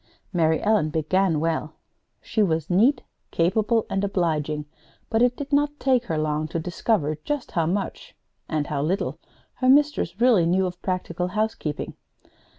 Mary Ellen began well. She was neat, capable, and obliging; but it did not take her long to discover just how much and how little her mistress really knew of practical housekeeping.